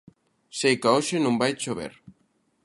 Seica hoxe non vai chover